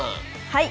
はい。